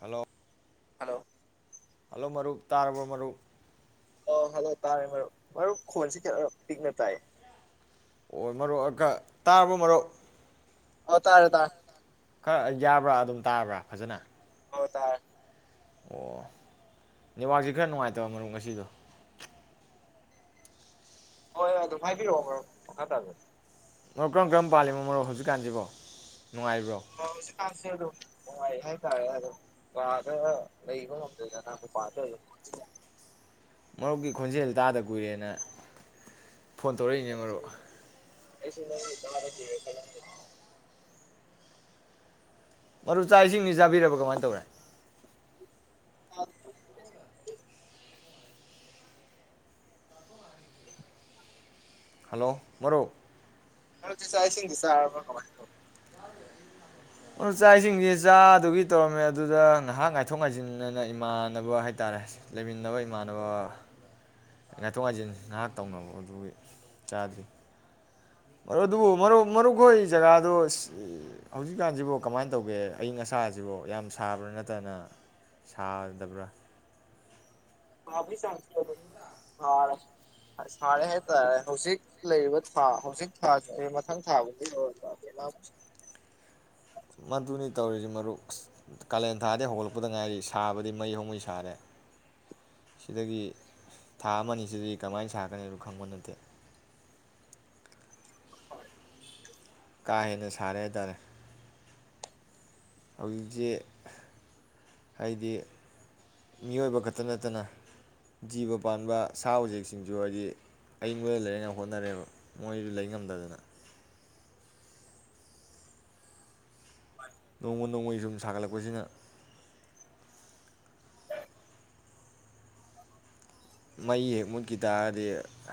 hello hello hello ꯃꯔꯨꯞ ꯇꯥꯔꯕꯣ ꯃꯔꯨꯞ ꯑ ꯍꯜꯂꯣ ꯇꯥꯔꯦ ꯃꯔꯨꯞ ꯃꯔꯨꯞ ꯈꯣꯟꯁꯦ ꯈꯔꯥ ꯄꯤꯛꯅ ꯇꯥꯏꯑꯦ ꯑꯣꯏ ꯃꯔꯨꯞ ꯇꯔꯕꯣ ꯃꯔꯨꯞ ꯑꯥ ꯇꯥꯔꯦ ꯇꯥꯔꯦ ꯈꯔ ꯌꯥꯕ꯭ꯔꯥ ꯑꯗꯨꯝ ꯇꯥꯔꯕ꯭ꯔꯥ ꯐꯖꯟꯅ ꯑꯣ ꯇꯥꯔꯦ ꯑꯣ ꯅꯦꯋꯥꯛꯁꯦ ꯈꯔ ꯅꯨꯡꯉꯥꯏꯇꯕ ꯃꯔꯨꯞ ꯉꯁꯤꯗꯨ ꯍꯣꯏ ꯍꯣꯏ ꯑꯗꯨꯝ ꯍꯥꯏꯕꯤꯔꯛꯑꯣ ꯃꯔꯨꯞ ꯃꯈꯥ ꯇꯥꯕꯤꯌꯨ ꯃꯔꯨꯞ ꯀꯔꯝ ꯀꯔꯝ ꯄꯥꯜꯂꯤꯅꯣ ꯃꯔꯨꯞ ꯍꯧꯖꯤꯛꯀꯥꯟꯁꯤꯕꯣ ꯅꯨꯡꯉꯥꯏꯔꯤꯕ꯭ꯔꯣ ꯍꯣ ꯍꯧꯖꯤꯛ ꯀꯥꯟꯁꯦ ꯑꯗꯨꯝ ꯅꯨꯡꯉꯥꯏꯔꯤ ꯍꯥꯏꯇꯥꯔꯦ ꯑꯗꯨꯝ ꯀꯥꯗ ꯂꯩꯕ ꯉꯝꯗꯗꯅꯥ ꯃꯄꯥꯟꯗ ꯑꯗꯨꯝ ꯃꯔꯨꯞꯀꯤ ꯈꯣꯟꯖꯦꯜ ꯇꯥꯗ ꯀꯨꯏꯔꯦꯅ ꯐꯣꯟ ꯇꯧꯔꯛꯏꯅꯦ ꯃꯔꯨꯞ ꯑꯩꯁꯨ ꯅꯪꯒꯤ ꯇꯥꯗ ꯀꯨꯏꯔꯦ ꯈꯜꯂꯝꯃꯤꯅꯦ ꯃꯔꯨꯞ ꯆꯥꯛ ꯏꯁꯤꯡꯗꯤ ꯆꯥꯕꯤꯔꯕ ꯀꯃꯥꯏꯅ ꯇꯧꯔꯦ ꯑ [inaudible] ꯍꯜꯂꯣ ꯃꯔꯨꯞ ꯍꯂꯣ ꯆꯥꯛ ꯏꯁꯤꯡꯗꯤ ꯆꯥꯔꯕ ꯀꯃꯥꯏꯟ ꯇꯧꯔꯦ ꯑꯗꯨ ꯆꯥꯛ ꯏꯁꯤꯡꯗꯤ ꯆꯥꯗꯨꯒꯤ ꯇꯧꯔꯝꯃꯦ ꯑꯗꯨꯗ ꯉꯥꯏꯍꯥꯛ ꯉꯥꯏꯊꯣꯛ ꯉꯥꯏꯖꯤꯟꯅꯦꯅ ꯏꯃꯥꯟꯅꯕ ꯍꯥꯏ ꯇꯔꯦ ꯂꯩꯃꯤꯟꯅꯕ ꯏꯃꯥꯟꯅꯕ ꯉꯥꯏꯊꯣꯛ ꯉꯥꯏꯖꯤꯟ ꯉꯥꯏꯍꯥꯛ ꯇꯧꯅꯕ ꯑꯗꯨꯒꯤ ꯆꯥꯗ꯭ꯔꯤ ꯃꯔꯨꯞ ꯑꯗꯨꯕꯨ ꯃꯔꯨꯞ ꯃꯔꯨꯞ ꯈꯣꯏ ꯖꯒꯥꯗꯣ ꯍꯧꯖꯤꯛꯀꯥꯟꯁꯤꯕꯨ ꯀꯃꯥꯏꯅ ꯇꯧꯒꯦ ꯑꯏꯪ ꯑꯁꯥꯁꯤꯕꯨ ꯌꯥꯝ ꯁꯥꯕ꯭ꯔꯥ ꯅꯠꯇꯅ ꯁꯥꯗꯕ꯭ꯔꯥ ꯁꯥꯕꯒꯤ ꯁꯥꯔꯦ ꯍꯥꯏꯇꯔꯦ ꯍꯧꯖꯤꯛ ꯂꯩꯔꯤꯕ ꯊꯥ ꯍꯧꯖꯤꯛ ꯊꯥꯁꯤ ꯃꯊꯪ ꯊꯥꯕꯧꯗꯤ [inaudible] ꯃꯗꯨꯅꯤ ꯇꯧꯔꯤꯁꯤ ꯃꯔꯨꯞ ꯀꯥꯂꯦꯟ ꯊꯥꯗꯤ ꯍꯧꯒꯠꯂꯛꯄꯗ ꯉꯥꯏꯔꯤ ꯁꯥꯕꯗꯤ ꯃꯩ ꯍꯧꯃꯩ ꯁꯥꯔꯦ ꯁꯤꯗꯒꯤ ꯊꯥ ꯑꯃꯅꯤꯁꯤꯗꯤ ꯀꯃꯥꯏꯅ ꯁꯥꯔꯛꯀꯅꯤ ꯑꯗꯨ ꯈꯪꯕ ꯅꯠꯇꯦ ꯀꯥ ꯍꯦꯟꯅ ꯁꯥꯔꯦ ꯍꯥꯏꯇꯥꯔꯦ ꯍꯧꯖꯤꯛꯁꯤ ꯍꯥꯏꯗꯤ ꯃꯤꯑꯣꯏꯕ ꯈꯛꯇ ꯅꯠꯇꯅ ꯖꯤꯕ ꯄꯥꯟꯕ ꯁꯥ ꯎꯆꯦꯛꯁꯤꯡꯁꯨ ꯍꯥꯏꯗꯤ ꯑꯏꯪꯕꯗ ꯂꯩꯔꯉꯥꯏ ꯍꯣꯠꯅꯔꯦꯕ ꯃꯣꯏꯁꯨ ꯂꯩ ꯉꯝꯗꯗꯅ ꯅꯣꯡꯃ ꯅꯣꯡꯃꯒꯤ ꯁꯨꯝ ꯁꯥꯒꯠꯂꯛꯄꯁꯤꯅ ꯃꯩ ꯍꯦꯛ ꯃꯨꯠꯈꯤ ꯇꯥꯔꯗꯤ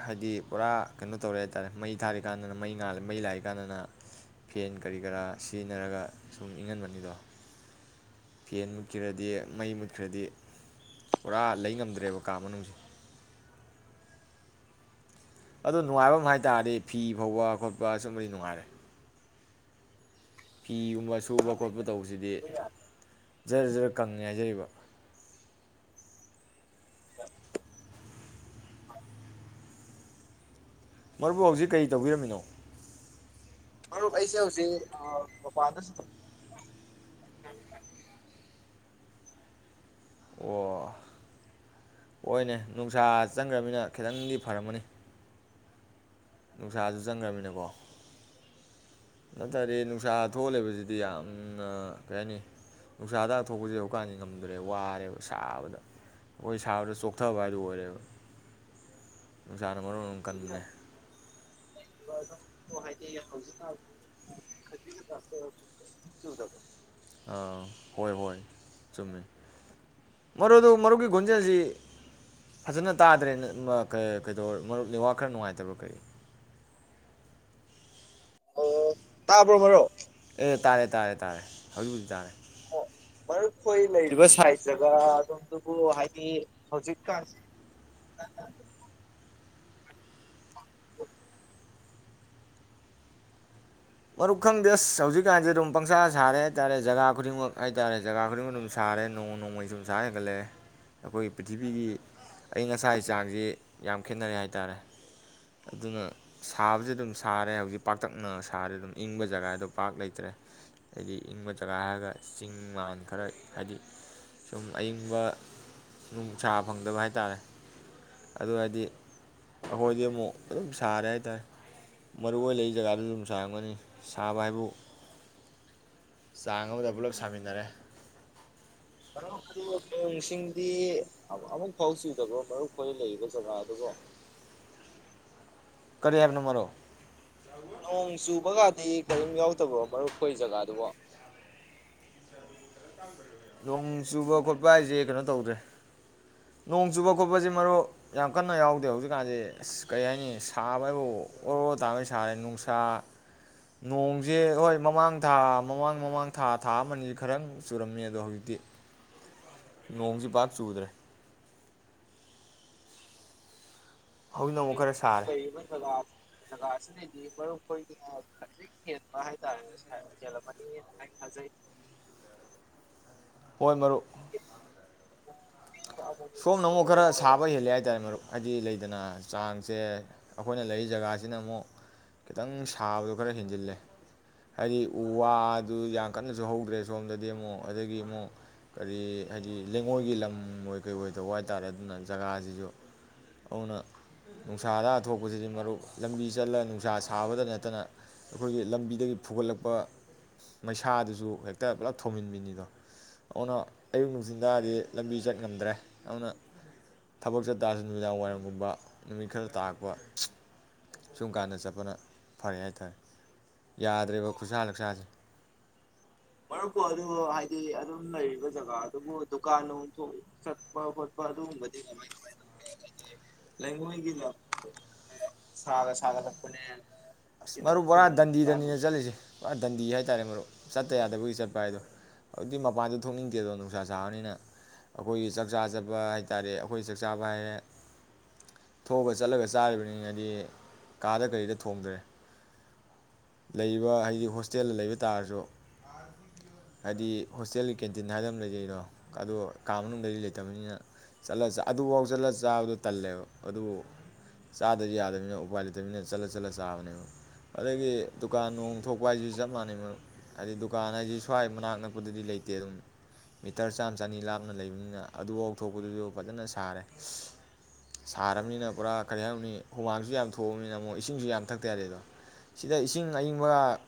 ꯍꯥꯏꯗꯤ ꯄꯨꯔꯥ ꯀꯩꯅꯣ ꯇꯧꯔꯦ ꯍꯥꯏꯇꯥꯔꯦ ꯃꯩ ꯊꯥꯔꯤꯀꯥꯟꯗꯅ ꯃꯩꯥ ꯉꯥꯟ ꯃꯩ ꯂꯥꯛꯏ ꯀꯥꯟꯗꯅ ꯐꯦꯟ ꯀꯔꯤ ꯀꯔꯥ ꯁꯤꯖꯤꯟꯅꯔꯒ ꯁꯨꯝ ꯏꯪꯍꯟꯕꯅꯤꯗꯣ ꯐꯦꯟ ꯃꯨꯠꯈ꯭ꯔꯗꯤ ꯃꯩ ꯃꯨꯠꯈ꯭ꯔꯗꯤ ꯄꯨꯔꯥ ꯂꯩ ꯉꯝꯗ꯭ꯔꯦꯕ ꯀꯥ ꯃꯅꯨꯡꯁꯦ ꯑꯗꯣ ꯅꯨꯡꯉꯥꯏꯕ ꯑꯃ ꯍꯥꯏ ꯇꯥꯔꯗꯤ ꯐꯤ ꯐꯧꯕꯥ ꯈꯣꯠꯄ ꯁꯨꯝꯕꯗꯤ ꯅꯨꯡꯉꯥꯏꯔꯦ ꯀꯌꯨꯝ ꯁꯨꯝꯕ ꯁꯨꯕ ꯈꯣꯠꯄ ꯇꯧꯕꯁꯤꯗꯤ ꯖꯔ ꯖꯔ ꯀꯪꯉꯦ ꯍꯥꯏꯖꯔꯤꯕ ꯃꯔꯕꯨ ꯍꯧꯖꯤꯛ ꯀꯔꯤ ꯇꯧꯕꯤꯔꯝꯃꯤꯅꯣ ꯃꯔꯨꯞ ꯑꯩꯁꯦ ꯍꯧꯖꯤꯛ ꯃꯄꯗꯁꯨ ꯑꯣ ꯍꯣꯏꯅꯦ ꯅꯨꯡꯁꯥ ꯆꯪꯈ꯭ꯔꯅꯤꯅ ꯈꯤꯇꯪꯗꯤ ꯐꯔꯝꯃꯅꯤ ꯅꯨꯡꯁꯥꯁꯨ ꯆꯪꯈ꯭ꯔꯃꯤꯅꯀꯣ ꯅꯠꯇ꯭ꯔꯗꯤ ꯅꯨꯡꯁꯥ ꯊꯣꯛꯍꯂꯦꯕꯁꯤꯗꯤ ꯌꯥꯝꯅ ꯀꯩ ꯍꯥꯏꯅꯤ ꯅꯨꯡꯁꯥꯗ ꯊꯣꯛꯄꯁꯦ ꯍꯧꯖꯤꯛꯀꯥꯟꯗꯤ ꯉꯝꯗ꯭ꯔꯦ ꯋꯥꯔꯦꯕ ꯁꯥꯕꯗ ꯑꯩꯈꯣꯏ ꯁꯥꯕꯗ ꯆꯣꯛꯊꯕ ꯍꯥꯏꯗꯨ ꯑꯣꯏꯔꯦꯕ ꯅꯨꯡꯁꯥꯅ ꯃꯔꯣꯅ ꯑꯃ ꯀꯟꯕꯅꯦ [unintelligible] ꯍꯥꯏꯗꯤ ꯍꯧꯖꯤꯛ [unintelligible] ꯑꯥ ꯍꯣꯏ ꯍꯣꯏ ꯆꯨꯝꯃꯦ ꯃꯔꯨꯞꯗꯨ ꯃꯔꯨꯞꯀꯤ ꯒꯨꯣꯟꯖꯦꯜꯁꯤ ꯐꯖꯅ ꯇꯥꯗ꯭ꯔꯦ ꯀꯩꯗ ꯃꯔꯨꯞ ꯂꯩꯋꯥꯥꯛ ꯈꯔ ꯅꯨꯡꯉꯥꯏꯇꯕ꯭ꯔꯣ ꯀꯔꯤ ꯑꯣ ꯇꯥꯕ꯭ꯔꯣ ꯃꯔꯨꯞ ꯑꯦ ꯇꯥꯔꯦ ꯇꯥꯔꯦ ꯇꯥꯔꯦ ꯍꯧꯖꯤꯛ ꯍꯧꯖꯤꯛ ꯇꯥꯔꯦ ꯑꯣ ꯃꯔꯈꯣꯏ ꯂꯩꯔꯤꯕ ꯁꯥꯏꯗ ꯒ ꯑꯗꯣꯝꯗꯨꯕꯨ ꯍꯥꯏꯗꯤ ꯍꯧꯖꯤꯛꯀꯥꯟꯁꯤ ꯃꯔꯨꯞ ꯈꯪꯗꯦ ꯑꯁ ꯍꯧꯖꯤꯛꯀꯥꯟꯁꯦ ꯑꯗꯨꯝ ꯄꯪꯁꯥ ꯁꯥꯔꯦ ꯍꯥꯏꯇꯥꯥꯔꯦ ꯖꯒꯥ ꯈꯨꯗꯤꯡꯃꯛ ꯍꯥꯏꯇꯥꯥꯔꯦ ꯖꯒꯥ ꯈꯨꯗꯤꯡꯃꯛ ꯑꯗꯨꯝ ꯁꯥꯔꯦ ꯅꯣꯡꯃ ꯅꯣꯡꯃꯒꯤ ꯁꯨꯝ ꯁꯥꯔ ꯍꯦꯟꯒꯠꯂꯛꯑꯦ ꯑꯩꯈꯣꯏꯒꯤ ꯄ꯭ꯔꯤꯊꯤꯕꯤꯒꯤ ꯑꯌꯤꯡ ꯑꯁꯥꯒꯤ ꯆꯥꯡꯁꯤ ꯌꯥꯝ ꯈꯦꯠꯅꯔꯦ ꯍꯥꯏ ꯇꯥꯔꯦ ꯑꯗꯨꯅ ꯁꯥꯕꯕꯁꯤ ꯑꯗꯨꯝ ꯁꯥꯔꯦ ꯍꯧꯖꯤꯛ ꯄꯥꯛꯇꯛꯅ ꯁꯥꯔꯦ ꯑꯗꯨꯝ ꯏꯪꯕ ꯖꯒꯥꯗꯣ ꯄꯥꯛꯔ ꯂꯩꯇ꯭ꯔꯦ ꯍꯥꯏꯗꯤ ꯏꯪꯕ ꯖꯒꯥ ꯍꯥꯏꯔꯒ ꯆꯤꯡ ꯃꯥꯟ ꯈꯔ ꯍꯥꯏꯗꯤ ꯁꯨꯝ ꯑꯏꯪꯕ ꯅꯨꯡꯁꯥ ꯐꯪꯗꯕ ꯍꯥꯏꯇꯥꯔꯦ ꯑꯗꯨ ꯍꯥꯏꯗꯤ ꯑꯩꯈꯣꯏꯗꯤ ꯑꯃꯨꯛ ꯑꯗꯨꯝ ꯁꯥꯔꯦ ꯍꯥꯏꯇꯥꯔꯦ ꯃꯔꯨꯑꯣ ꯑꯣꯏꯅ ꯂꯩ ꯖꯒꯥꯗ ꯑꯗꯨꯝ ꯁꯥꯔꯝꯒꯅꯤ ꯁꯥꯕ ꯍꯥꯏꯕꯨ ꯆꯥꯡ ꯑꯃꯗ ꯄꯨꯂꯞ ꯁꯥꯃꯤꯟꯅꯔꯦ ꯃꯔꯨꯞꯁꯤꯡꯗꯤ ꯑꯃꯨꯛ ꯐꯥꯎ ꯆꯨꯗꯕꯣ ꯃꯔꯨꯞ ꯈꯏ ꯂꯩꯔꯤꯕ ꯖꯒꯥ ꯑꯗꯨꯕꯨ ꯀꯔꯤ ꯍꯥꯏꯕꯅꯣ ꯃꯔꯣ ꯅꯣꯡ ꯆꯨꯕꯒꯗꯤ ꯀꯔꯤꯝ ꯌꯥꯎꯗꯕꯣ ꯃꯔꯨꯞ ꯑꯩꯈꯣꯏ ꯖꯒꯥꯗꯨꯕꯣ ꯅꯣꯡ ꯆꯨꯕ ꯈꯣꯠꯄ ꯍꯥꯏꯁꯦ ꯀꯩꯅꯣ ꯇꯧꯗ꯭ꯔꯦ ꯅꯣꯡ ꯆꯨꯕ ꯈꯣꯠꯄꯁꯦ ꯃꯔꯨꯞ ꯌꯥꯝ ꯀꯟꯅ ꯌꯥꯎꯗꯦ ꯍꯧꯖꯤꯛꯀꯥꯟꯁꯦ ꯑꯁ ꯀꯔꯤ ꯍꯥꯏꯅꯤ ꯁꯥꯕ ꯍꯥꯏꯕꯨ ꯑꯣꯔ ꯑꯣꯔ ꯇꯥꯕꯩ ꯁꯥꯔꯦ ꯅꯨꯡꯁꯥ ꯅꯣꯡꯁꯦ ꯍꯣꯏ ꯃꯃꯥꯡ ꯊꯥ ꯃꯃꯥꯡ ꯃꯃꯥꯡ ꯊꯥ ꯊꯥ ꯑꯃꯅꯤ ꯑ ꯈꯔꯪ ꯆꯨꯔꯝꯃꯦꯗ ꯑꯗꯣ ꯍꯧꯖꯤꯛꯇꯤ ꯅꯣꯡꯁꯤ ꯄꯥꯛ ꯆꯨꯗ꯭ꯔꯦ ꯍꯧꯖꯤꯛꯅ ꯑꯃꯨꯛ ꯈꯔ ꯑꯩꯈꯣꯏꯅ ꯁꯥꯔꯦ ꯂꯩꯔꯤꯕ ꯖꯒꯥ ꯖꯒꯥꯁꯤꯅꯅꯤ ꯃꯔꯨꯞ ꯑꯩꯈꯣꯏꯒꯤꯅ ꯈꯖꯤꯛ ꯍꯦꯟꯕ ꯍꯥꯏꯇꯥꯔꯦꯅꯦ ꯍꯦꯜꯂꯝꯃꯅꯤꯅ ꯑꯩꯅ ꯈꯖꯩ ꯍꯣꯏ ꯃꯔꯨ [inaudible] ꯃꯨꯛ ꯁꯣꯝꯅ ꯑꯃꯨꯛ ꯆꯨꯕ ꯈꯔ ꯌꯥꯎꯋꯦꯕ ꯁꯥꯕ ꯍꯦꯜꯂꯦ ꯍꯥꯏꯇꯥꯔꯦ ꯃꯔꯨꯞ ꯍꯥꯏꯗꯤ ꯂꯩ ꯑꯗꯨꯅ ꯆꯥꯡꯁꯦ ꯑꯩꯈꯣꯏꯅ ꯂꯩꯔꯤ ꯖꯒꯥꯁꯤꯅ ꯑꯃꯨꯛ ꯈꯤꯇꯪ ꯁꯥꯕꯗꯣ ꯈꯔ ꯍꯦꯟꯖꯤꯜꯂꯦ ꯍꯥꯏꯗꯤ ꯎ ꯋꯥꯗꯨ ꯌꯥꯝ ꯀꯟꯅꯁꯨ ꯍꯧꯗ꯭ꯔꯦ ꯁꯣꯝꯗꯗꯤ ꯑꯃꯨꯛ ꯑꯗꯒꯤ ꯑꯃꯨꯛ ꯀꯔꯤ ꯍꯥꯏꯗꯤ ꯂꯩꯉꯣꯏꯒꯤ ꯂꯝ ꯑꯣꯏꯣꯏ ꯀꯩ ꯑꯣꯏꯗꯧꯕ ꯍꯥꯏꯇꯥꯔꯦ ꯑꯗꯨꯅ ꯖꯒꯥꯁꯤꯁꯨ ꯑꯗꯨꯅ ꯅꯨꯡꯁꯥꯗꯥ ꯊꯣꯛꯄꯁꯤꯗꯤ ꯃꯔꯨꯞ ꯂꯝꯕꯤ ꯆꯠꯂꯒ ꯅꯨꯡꯁꯥ ꯁꯥꯕꯗ ꯅꯠꯇꯅ ꯑꯩꯈꯣꯏꯒꯤ ꯂꯝꯕꯤꯗꯒꯤ ꯐꯨꯒꯠꯂꯛꯄ ꯃꯩꯁꯥꯗꯨꯁꯨ ꯍꯦꯛꯇ ꯄꯨꯂꯞ ꯊꯧꯝꯃꯤꯟꯕꯤꯅꯤꯗꯣ ꯑꯗꯨꯅ ꯑꯌꯨꯛ ꯅꯨꯡꯊꯤꯟ ꯇꯥꯗꯤ ꯂꯝꯕꯤ ꯆꯠ ꯉꯝꯗ꯭ꯔꯦ ꯌꯥꯝꯅ ꯊꯕꯛ ꯆꯠꯇꯥꯔꯁꯨ ꯅꯨꯃꯤꯗꯥꯡ ꯋꯥꯏꯔꯝꯒꯨꯝꯕ ꯅꯨꯃꯤꯠ ꯈꯔ ꯇꯥꯛꯄ ꯁꯨꯝ ꯀꯥꯟꯗ ꯆꯠꯄꯅ ꯐꯔꯦ ꯍꯥꯏꯇꯥꯔꯦ ꯌꯥꯗ꯭ꯔꯦꯕ ꯈꯨꯠꯁꯥ ꯂꯛꯁꯥꯁꯦ ꯃꯔꯨꯞꯄꯨ ꯑꯗꯨ ꯍꯥꯏꯗꯤ ꯑꯗꯨꯝ ꯂꯩꯔꯤꯕ ꯖꯒꯥ ꯑꯗꯨꯕꯨ ꯗꯨꯀꯥꯟ ꯅꯨꯡꯊꯣꯛ ꯆꯠꯄ ꯈꯣꯠꯄ ꯑꯗꯨꯒꯨꯝꯕꯗꯤꯥꯏꯥꯏ ꯇꯧ ꯍꯥꯏꯗꯤ ꯂꯩꯉꯣꯏꯒꯤꯅ ꯁꯥꯒ ꯁꯥꯒ ꯊꯛꯄꯅꯦ ꯑꯁ ꯃꯔꯨꯞ ꯕꯣꯔꯥ ꯗꯟꯗꯤ ꯗꯟꯅꯤꯅ ꯆꯠꯂꯤꯁꯦ ꯄꯨꯔꯥ ꯗꯟꯗꯤ ꯍꯥꯏꯇꯥꯔꯦ ꯃꯔꯨꯞ ꯆꯠꯇ ꯌꯥꯗꯕꯒꯤ ꯆꯠꯄ ꯍꯥꯏꯗꯣ ꯍꯧꯖꯤꯛꯇꯗꯤ ꯃꯄꯥꯟꯗ ꯊꯣꯛꯅꯤꯡꯗꯦꯗꯣ ꯅꯨꯡꯁꯥ ꯁꯥꯥꯕꯅꯤꯅ ꯑꯩꯈꯣꯏꯒꯤ ꯆꯥꯛꯆꯥ ꯆꯠꯄ ꯍꯥꯏꯇꯥꯔꯦ ꯑꯩꯈꯣꯏ ꯆꯥꯛ ꯆꯥꯕ ꯍꯥꯏꯔꯦ ꯊꯣꯛꯑꯒ ꯆꯠꯂꯒ ꯆꯥꯔꯤꯕꯅꯤꯅꯗꯤ ꯀꯥꯗ ꯀꯔꯤꯗ ꯊꯣꯡꯗ꯭ꯔꯦ ꯂꯩꯔꯤꯕ ꯍꯥꯏꯗꯤ ꯍꯣꯁꯇꯦꯜꯗ ꯂꯩꯕ ꯇꯥꯔꯁꯨ ꯍꯥꯏꯗꯤ ꯍꯣꯁꯇꯦꯜꯒꯤ ꯀꯦꯟꯇꯤꯟ ꯍꯥꯏꯅ ꯂꯩꯖꯩꯅꯣ ꯑꯣ ꯀꯥ ꯃꯅꯨꯡꯗ ꯂꯩꯇꯕꯅꯤꯅ ꯆꯠꯂ ꯑꯗꯨꯐꯥꯎ ꯆꯠꯂ ꯆꯥꯕꯗꯣ ꯇꯜꯂꯦꯕ ꯑꯗꯨꯕꯨ ꯆꯥꯗꯗꯤ ꯌꯥꯗꯕꯅꯤꯅ ꯎꯄꯥꯏ ꯂꯩꯇꯕꯅꯤꯅ ꯆꯠꯂ ꯆꯠꯂ ꯆꯥꯕꯅꯦꯕ ꯑꯗꯒꯤ ꯗꯨꯀꯥꯟ ꯅꯨꯡ ꯊꯣꯛꯄ ꯍꯥꯏꯁꯤꯁꯨ ꯆꯞ ꯃꯥꯟꯅꯩ ꯃꯔꯨꯞ ꯍꯥꯏꯗꯤ ꯗꯨꯀꯥꯟ ꯍꯥꯏꯁꯤ ꯁ꯭ꯋꯥꯏ ꯃꯅꯥꯛ ꯅꯛꯄꯗꯗꯤ ꯂꯩꯇꯦ ꯑꯗꯨꯝ ꯃꯤꯇꯔ ꯆꯥꯝꯃ ꯆꯅꯤ ꯂꯥꯞꯅ ꯂꯩꯕꯅꯤꯅ ꯑꯗꯨꯐꯥꯎ ꯊꯣꯛꯄꯗꯨꯁꯨ ꯐꯖꯅ ꯁꯥꯔꯦ ꯁꯥꯔꯕꯔꯕꯅꯤꯅ ꯄꯨꯔꯥ ꯀꯔꯤ ꯍꯥꯏꯔꯅꯤ ꯍꯨꯃꯥꯡꯁꯨ ꯌꯥꯝ ꯊꯣꯛꯑꯕꯅꯤꯅ ꯑꯃꯨꯛ ꯏꯁꯤꯡꯁꯨ ꯌꯥꯝ ꯊꯛꯇ ꯌꯥꯗꯦꯗꯣ ꯁꯤꯗ ꯏꯁꯤꯡ ꯑꯏꯪꯕ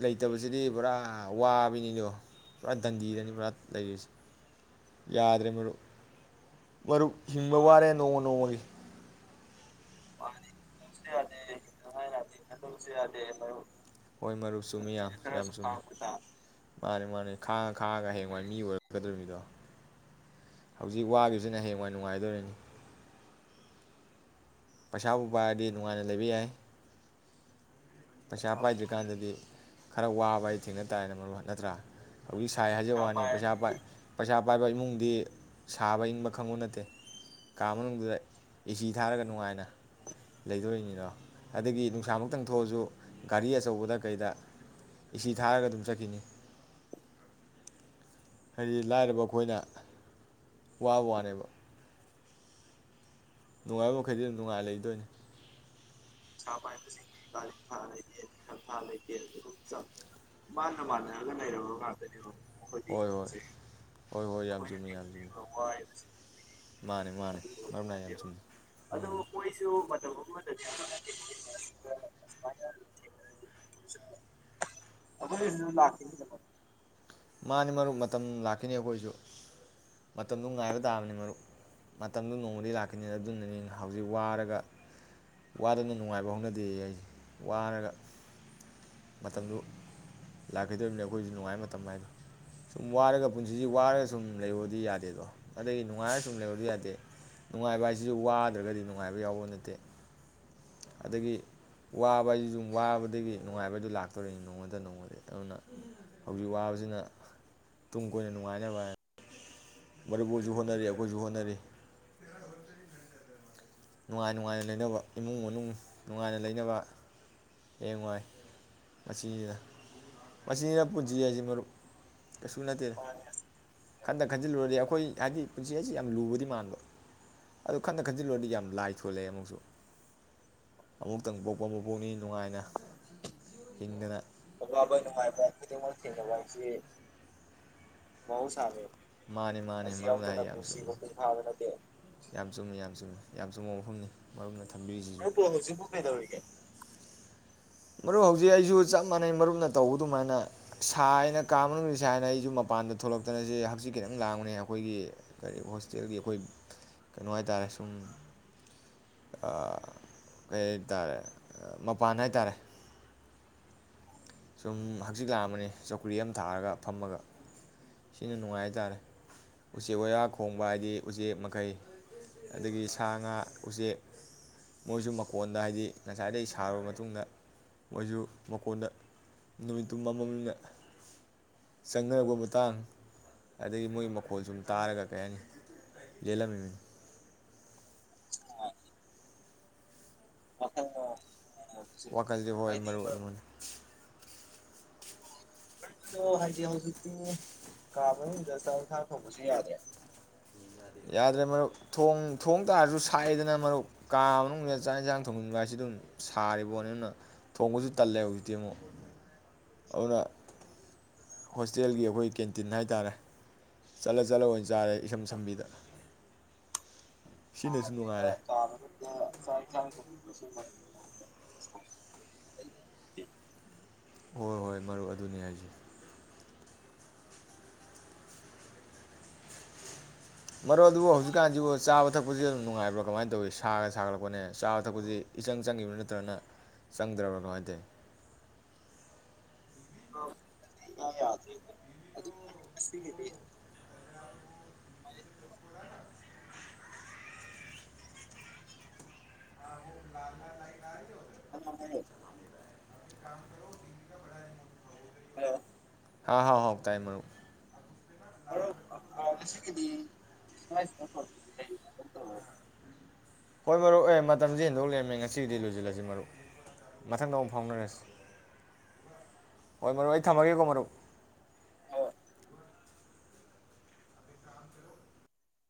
ꯂꯩꯇꯕꯁꯤꯗꯤ ꯄꯨꯔꯥ ꯋꯥꯕꯤꯅꯤꯗꯣ ꯄꯨꯔꯥ ꯗꯟꯗꯤꯗꯅꯤ ꯄꯨꯔꯥ ꯂꯩꯔꯤꯁꯦ ꯌꯥꯗ꯭ꯔꯦ ꯃꯔꯨꯞ ꯃꯔꯨꯞ ꯍꯤꯡꯕ ꯃꯥꯅꯤ ꯋꯥꯔꯦ ꯅꯣꯡꯃ ꯅꯣꯡꯃꯣꯏ ꯃꯥ ꯀ ꯀ ꯑ ꯃ ꯍꯣꯏ ꯃꯔꯨꯞ ꯆꯨꯝꯃꯤ ꯌꯥꯝ ꯌꯥꯝ ꯆꯨꯝꯃꯤ ꯇꯥꯕ ꯃꯥꯅꯤ ꯃꯥꯅꯤ ꯈꯥꯡꯉ ꯈꯥꯡꯉꯒ ꯍꯌꯦꯡꯋꯥꯏ ꯃꯤ ꯑꯣꯏꯔꯛꯀꯗꯧꯅꯤꯗꯣ ꯍꯧꯖꯤꯛ ꯋꯥꯒꯤꯁꯤꯅ ꯍꯌꯦꯋꯥꯏ ꯅꯨꯡꯉꯥꯏꯗꯣꯔꯤꯅꯤ ꯄꯩꯁꯥꯕꯨ ꯄꯥꯏꯔꯗꯤ ꯅꯨꯡꯉꯥꯏꯅ ꯂꯩꯕ ꯌꯥꯏ ꯄꯩꯁꯥ ꯄꯥꯏꯗ꯭ꯔꯤꯀꯥꯟꯗꯗꯤ ꯈꯔ ꯋꯥꯕ ꯍꯥꯏ ꯊꯦꯡꯅ ꯇꯥꯔꯦꯅ ꯃꯔ ꯅꯠꯇ꯭ꯔꯥ ꯍꯧꯛ ꯁꯥꯏ ꯍꯥꯏꯖꯕꯩ ꯋꯥꯅꯤ ꯄꯩꯁꯥ ꯄꯥꯏꯔꯗꯤ ꯄꯩꯥ ꯄꯩꯁꯥ ꯄꯥꯏꯕ ꯏꯃꯨꯡꯗꯤ ꯁꯥꯕ ꯏꯪꯕ ꯈꯪꯕꯨ ꯅꯠꯇꯦ ꯀꯥ ꯃꯅꯨꯡꯗꯨꯗ ꯏꯆ ꯊꯥꯔꯒ ꯅꯨꯡꯉꯥꯏꯅ ꯂꯩꯗꯣꯔꯤꯅꯤꯅꯣ ꯑꯗꯒꯤ ꯅꯨꯡꯁꯥꯃꯛꯇꯪ ꯊꯣꯛꯑꯁꯨ ꯒꯥꯔꯤ ꯑꯆꯧꯕꯗ ꯀꯩꯗ ꯏꯁꯤ ꯊꯥꯔꯒ ꯑꯗꯨꯝ ꯆꯠꯈꯤꯕꯤꯅꯤ ꯍꯥꯏꯗꯤ ꯂꯥꯏꯔꯕ ꯑꯩꯈꯣꯏꯅ ꯋꯥꯕ ꯋꯥꯅꯦꯕ ꯅꯨꯡꯉꯥꯏꯕ ꯃꯈꯩꯗꯤ ꯑꯗꯨꯝ ꯅꯨꯡꯉꯥꯏ ꯂꯩꯗꯣꯏꯅꯤ ꯄꯩꯁꯥ ꯄꯥꯏꯕꯁꯤꯡꯗꯤ ꯀꯥꯔꯤ ꯊꯥ ꯂꯩꯇꯦ ꯅꯤꯡꯊꯛ ꯊꯥ ꯂꯩꯇꯦ ꯑꯗꯨꯒ ꯃꯥꯥꯟꯅ ꯃꯥꯥꯟꯅꯔꯒ ꯂꯩꯔꯕ ꯉꯥꯛꯇꯅꯦꯕ ꯃꯈꯣꯏꯗꯤ ꯍꯣꯏ ꯍꯣꯏ ꯍꯤꯡꯕꯁꯦ ꯍꯣꯏ ꯍꯣꯏ ꯌꯥꯝ ꯑꯩꯈꯣꯏꯅ ꯆꯨꯝꯃꯤ ꯌꯥꯝ ꯆꯨꯝꯃꯤ ꯊꯦꯡꯅꯔꯤꯕ ꯋꯥꯔꯤꯕꯁꯤꯡꯁꯦ ꯃꯣꯏꯗꯤ ꯃꯥꯅꯦ ꯃꯥꯅꯦ ꯑꯗꯨ ꯌꯧꯕ ꯃꯔꯨ ꯅꯥꯏ ꯌꯥꯝ ꯅꯠꯇꯦꯕ ꯆꯨꯝꯃꯤ ꯎꯝ ꯑꯗꯨ [unintelligible] [unintelligible] ꯃꯥꯅꯤ ꯃꯔꯨꯞ ꯃꯇꯝ ꯂꯥꯛꯈꯤꯅꯤ ꯑꯩꯈꯣꯏꯁꯨ ꯃꯇꯝꯗꯨ ꯉꯥꯏꯕ ꯇꯥꯕꯅꯤ ꯃꯔꯨꯞ ꯃꯇꯝꯗꯨ ꯅꯣꯡꯃꯗꯤ ꯂꯥꯛꯈꯤꯅꯤ ꯑꯗꯨꯅꯅꯤ ꯍꯧꯖꯤꯛ ꯋꯥꯔꯒ ꯋꯥꯗꯅ ꯅꯨꯡꯉꯥꯏꯕ ꯍꯧꯅꯗꯦ ꯑꯩꯁꯦ ꯋꯥꯔꯒ ꯃꯇꯝꯗꯨ ꯂꯥꯛꯈꯤꯗꯣꯔꯤꯕꯅꯤ ꯑꯩꯈꯣꯏꯁꯨ ꯅꯨꯡꯉꯥꯏ ꯃꯇꯝ ꯍꯥꯏꯗꯣ ꯁꯨꯝ ꯋꯥꯔꯒ ꯄꯨꯟꯁꯤꯁꯤ ꯋꯥꯔꯒ ꯁꯨꯝ ꯂꯩꯕꯗꯤ ꯌꯥꯗꯦꯗꯣ ꯑꯗꯒꯤ ꯅꯨꯡꯉꯥꯏꯔꯒ ꯁꯨꯝ ꯂꯩꯍꯗꯤ ꯌꯥꯗꯦ ꯅꯨꯡꯉꯥꯏꯕ ꯍꯥꯏꯁꯤꯁꯨ ꯋꯥꯗ꯭ꯔꯒꯗꯤ ꯅꯨꯡꯉꯥꯏꯕ ꯌꯥꯎꯕ ꯅꯠꯇꯦ ꯑꯗꯒꯤ ꯋꯥꯕ ꯍꯥꯏꯁꯤ ꯁꯨꯝ ꯋꯥꯕꯗꯒꯤ ꯅꯨꯡꯉꯥꯏꯕ ꯍꯥꯏꯗꯨ ꯂꯥꯛꯇꯣꯔꯤꯅꯤ ꯅꯣꯡꯉꯣꯟꯗ ꯅꯣꯡꯃꯗꯤ ꯑꯗꯨꯅ ꯍꯧꯖꯤꯛ ꯋꯥꯕꯁꯤꯅ ꯇꯨꯡ ꯀꯣꯏꯅ ꯅꯨꯡꯉꯥꯏꯅꯕ ꯃꯔꯨꯞꯁꯨ ꯍꯣꯠꯅꯔꯤ ꯑꯩꯈꯣꯏꯁꯨ ꯍꯣꯠꯅꯔꯤ ꯅꯨꯡꯉꯥꯏ ꯅꯨꯡꯉꯥꯏꯅ ꯂꯩꯅꯕ ꯏꯃꯨꯡ ꯃꯅꯨꯡ ꯅꯨꯡꯉꯥꯏꯅ ꯂꯩꯅꯕ ꯍꯌꯦꯡꯉꯏ ꯃꯁꯤꯁꯤꯅ ꯃꯁꯤꯅ ꯄꯨꯟꯁꯤ ꯍꯥꯏ ꯑꯁꯤ ꯃꯔꯨꯞ ꯀꯩꯁꯨ ꯅꯠꯇꯦꯗ ꯈꯟꯇ ꯈꯟꯖꯤꯜꯂꯨꯔꯗꯤ ꯑꯩꯈꯣꯏ ꯍꯥꯏꯗꯤ ꯄꯨꯟꯁꯤ ꯍꯥꯏꯁꯤ ꯌꯥꯝ ꯂꯨꯕꯗꯤ ꯃꯥꯟꯕ ꯑꯗꯣ ꯈꯟꯗ ꯈꯟꯖꯤꯜꯂꯨꯔꯗꯤ ꯌꯥꯝ ꯂꯥꯏ ꯊꯣꯛꯂꯛꯑꯦ ꯑꯃꯨꯛꯁꯨ ꯑꯃꯨꯛꯇꯪ ꯄꯣꯛꯄ ꯄꯣꯛꯅꯤ ꯅꯨꯡꯉꯥꯏꯅ ꯍꯤꯡꯗꯅ ꯑꯋꯥꯕ ꯅꯨꯡꯉꯥꯏꯕ ꯈꯨꯗꯤꯡꯃꯛ ꯊꯦꯡꯅꯕ ꯍꯥꯏꯁꯤ ꯃꯍꯧꯁꯥꯅꯦ ꯃꯥꯅꯤ ꯃꯥꯅꯤ ꯑꯁꯤ ꯃꯔꯨꯞꯅ ꯍꯥꯏ ꯌꯥꯑꯣꯗꯅ ꯌꯥꯝ ꯄꯨꯟꯁꯤ ꯆꯨꯝꯃꯤ ꯃꯄꯨ ꯊꯥꯕ ꯅꯠꯇꯦ ꯌꯥꯝ ꯆꯨꯝꯃꯤ ꯌꯥꯝ ꯆꯨꯝꯃꯤ ꯌꯥꯝ ꯆꯨꯝꯕ ꯃꯐꯝꯅꯤ ꯃꯔꯄ ꯅ ꯃꯔꯨꯞꯄꯨ ꯍꯧꯖꯤꯛꯄꯨ ꯀꯩꯗꯣꯔꯤꯒꯦ ꯃꯔꯨꯞ ꯍꯧꯖꯤꯛ ꯑꯩꯁꯨ ꯆꯞ ꯃꯥꯟꯅꯩ ꯃꯔꯨꯞꯅ ꯇꯧꯕ ꯑꯗꯨꯃꯥꯏꯅ ꯁꯥꯏꯅ ꯀꯥ ꯃꯅꯨꯡ ꯁꯥꯏꯅ ꯑꯩꯁꯨ ꯃꯄꯥꯟꯗ ꯊꯣꯛꯂꯛꯇꯅꯁꯦ ꯍꯧꯛꯆꯤ ꯈꯤꯇꯪ ꯂꯥꯡꯕꯅꯦ ꯑꯩꯈꯣꯏꯒꯤ ꯀꯔꯤ ꯍꯣꯁꯇꯦꯜꯒꯤ ꯑꯩꯈꯣꯏ ꯀꯩꯅꯣ ꯍꯥꯏ ꯇꯥꯔꯦ ꯁꯨꯝ ꯀꯩ ꯇꯥꯔꯦ ꯃꯄꯥꯟ ꯍꯥꯏ ꯇꯥꯔꯦ ꯁꯨꯝ ꯍꯛꯆꯤꯛ ꯂꯥꯛꯑꯝꯕꯅꯦ ꯆꯧꯀ꯭ꯔꯤ ꯑꯃ ꯊꯥꯔꯒ ꯐꯝꯃꯒ ꯁꯤꯅ ꯅꯨꯡꯉꯥꯏ ꯍꯥꯏꯇꯥꯥꯔꯦ ꯎꯆꯦꯛ ꯋꯥꯔ ꯈꯣꯡꯕ ꯍꯥꯏꯗꯤ ꯎꯆꯦꯛ ꯃꯈꯩ ꯑꯗꯒꯤ ꯁꯥ ꯉꯥ ꯎꯆꯦꯛ ꯃꯣꯏꯁꯨ ꯃꯀꯣꯟꯗ ꯍꯥꯏꯗꯤ ꯉꯁꯥꯏꯗꯒꯤꯩ ꯁꯥꯔꯕ ꯃꯇꯨꯡꯗ ꯃꯣꯏꯁꯨ ꯃꯀꯣꯟꯗ ꯅꯨꯃꯤꯠꯇꯨ ꯑꯃꯃꯝꯅ ꯆꯪꯅꯔꯛꯄ ꯃꯇꯥꯡ ꯑꯗꯒꯤ ꯃꯣꯏꯒꯤ ꯃꯈꯣꯜ ꯁꯨꯝ ꯇꯥꯔꯒ ꯀꯩ ꯍꯥꯏꯅꯤ ꯂꯦꯜꯂꯝꯃꯤꯅꯤ [inaudible] [unintelligible] ꯋꯥꯈꯜꯗꯤ ꯍꯣꯏ ꯍꯥꯏꯗꯤ ꯃꯔꯨꯄ ꯑꯗꯨꯅꯤ [unintelligible] ꯍꯥꯏꯗꯤ ꯍꯧꯖꯤꯛꯇꯤ ꯀꯥ ꯃꯅꯨꯡꯗ ꯆꯥꯛ ꯏꯟꯁꯥꯡ ꯊꯣꯡꯕꯁꯨ ꯌꯥꯗ꯭ꯔꯦ ꯌꯥꯗ꯭ꯔꯦ ꯃꯔꯨꯞ ꯊ ꯊꯣꯡ ꯇꯥꯔꯁꯨ ꯁꯥꯏꯑꯦꯗꯅ ꯃꯔꯨꯞ ꯀꯥ ꯃꯅꯨꯡꯁꯤꯗ ꯆꯥꯛ ꯌꯦꯟꯁꯥꯡ ꯊꯣꯡꯅꯤꯡꯟꯕ ꯍꯥꯏꯁꯤ ꯑꯗꯨꯝ ꯁꯥꯔꯤꯕꯣꯠꯅꯤ ꯑꯗꯨꯅ ꯊꯣꯡꯕꯁꯨ ꯇꯜꯂꯦ ꯍꯧꯖꯤꯛꯇꯤ ꯑꯃꯨꯛ ꯑꯗꯨꯅ ꯍꯣꯁꯇꯦꯜꯒꯤ ꯑꯩꯈꯣꯏ ꯀꯦꯟꯇꯤꯟ ꯍꯥꯏ ꯇꯥꯔꯦ ꯆꯠꯂ ꯆꯠꯂ ꯑꯣꯏꯅ ꯆꯥꯔꯦ ꯏꯁꯝ ꯁꯝꯕꯤꯗ ꯁꯤꯅꯁꯨ ꯅꯨꯡꯉꯥꯏꯔꯦ ꯀꯥ ꯃꯅꯨꯉꯗ ꯆꯥ [unintelligible] ꯍꯣꯏ ꯍꯣꯏ ꯃꯔꯨꯞ ꯑꯗꯨꯅꯤ ꯍꯥꯏꯁꯤ ꯃꯔꯣ ꯑꯗꯨꯕꯨ ꯍꯧꯖꯤꯛꯀꯥꯟꯁꯤꯕꯨ ꯆꯥꯕ ꯊꯛꯄꯁꯤ ꯑꯗꯨꯝ ꯅꯨꯡꯉꯥꯏꯕ꯭ꯔꯥ ꯀꯃꯥꯏꯅ ꯇꯧꯋꯤ ꯁꯥꯒ ꯁꯥꯒꯠꯂꯛꯄꯅꯦ ꯆꯥꯕ ꯊꯛꯄꯁꯤ ꯏꯆꯪ ꯆꯪꯉꯤꯕ꯭ꯔꯥ ꯅꯠꯇ꯭ꯔꯒꯅ ꯆꯪꯗ꯭ꯔꯕ꯭ꯔꯅꯣ ꯀꯃꯥꯏꯅꯥ ꯇꯧꯏ [unintelligible] ꯑꯌꯥ ꯌꯥꯗꯔꯦꯗ ꯉꯥꯁꯤꯗꯤ [unintelligible] [inaudible] ꯍꯥꯂꯣ ꯍꯥ ꯍꯥꯎ ꯍꯥꯎ ꯇꯥꯏ ꯃꯔꯨꯞ [unintelligible] ꯉꯥꯁꯤꯒꯤꯗꯤ [unintelligible] ꯍꯣꯏ ꯃꯔꯨꯞ ꯑꯦ ꯃꯇꯝꯁꯦ ꯍꯦꯟꯗꯣꯛ ꯂꯩꯔꯝꯃꯦ ꯉꯁꯤꯒꯤꯗꯤ ꯂꯣꯏꯁꯤꯜꯂꯁꯤ ꯃꯔꯨꯞ ꯃꯊꯪꯗ ꯑꯃꯨꯛ ꯐꯥꯎꯅꯔꯁꯤ ꯍꯣꯏ ꯃꯔꯨꯞ ꯑꯩ ꯊꯝꯃꯒꯦꯀꯣ ꯃꯔꯨꯞ